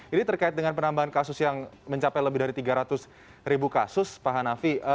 ini terkait dengan penambahan kasus yang mencapai lebih dari tiga ratus ribu kasus pak hanafi